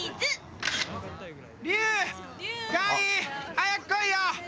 早く来いよ！